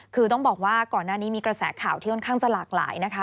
คือต้องบอกว่าก่อนหน้านี้มีกระแสข่าวที่ค่อนข้างจะหลากหลายนะคะ